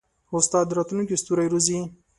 استاد د راتلونکي ستوري روزي.